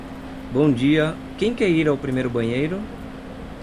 Bom dia, quem quer ir ao primeiro banheiro?